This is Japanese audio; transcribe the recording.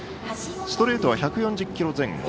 ストレートは１４０キロ前後。